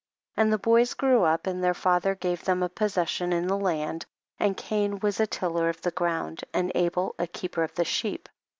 14. And the boys grew up and their father gave them a possession in the land ; and Cain was a tiller of the ground, and Abel a keeper of sheep.